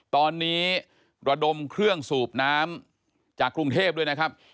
ตอนนี้ระดมเครื่องสูบน้ำจากกรุงเทพด้วยนะครับ